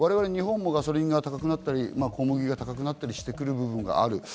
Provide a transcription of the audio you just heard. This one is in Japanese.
日本もガソリンが高くなったり、小麦が高くなってくる部分がある。